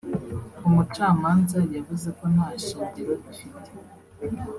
umucamanza yavuze ko nta shingiro bifite